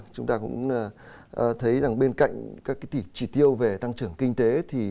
chúng ta cũng thấy bên cạnh các trị tiêu về tăng trưởng kinh tế